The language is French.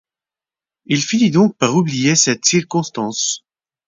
Il finit donc par oublier cette circonstance.